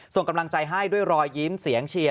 ส่งกำลังใจให้ด้วยรอยยิ้มเสียงเชียร์